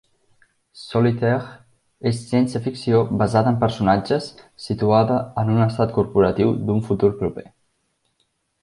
"Solitaire" és ciència-ficció basada en personatges situada en un estat corporatiu d'un futur proper.